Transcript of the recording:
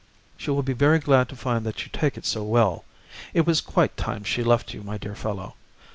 "She will be very glad to find that you take it so well. It was quite time she left you, my dear fellow.